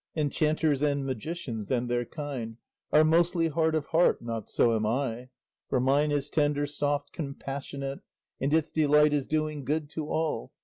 Enchanters and magicians and their kind Are mostly hard of heart; not so am I; For mine is tender, soft, compassionate, And its delight is doing good to all.